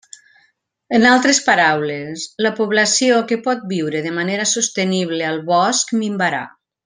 En altres paraules, la població que pot viure de manera sostenible al bosc minvarà.